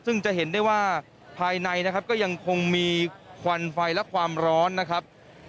ซึ่งจะเห็นได้ว่าภายในนะครับก็ยังคงมีควันไฟและความร้อนนะครับ